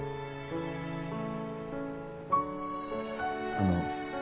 あの。